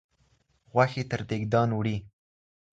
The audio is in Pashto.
غوښي تر دېګدان وړي